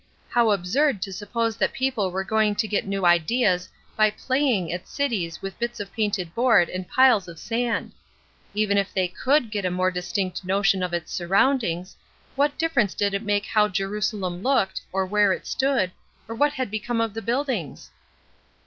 How absurd to suppose that people were going to get new ideas by playing at cities with bits of painted board and piles of sand! Even if they could get a more distinct notion of its surroundings, what difference did it make how Jerusalem looked, or where it stood, or what had become of the buildings?"